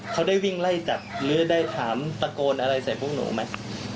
เขาได้วิ่งไล่จับหรือได้ถามตะโกนอะไรใส่พวกหนูไหม